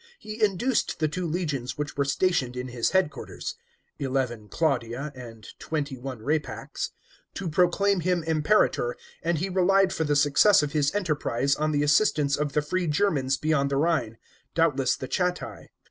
He induced the two legions which were stationed in his headquarters (XI. Claudia and XXI. Rapax) to proclaim him Impera'or, and he relied for the success of his enteri >rise on the assistance of the free Germans beyond the Rhine, doubtless the Chatti.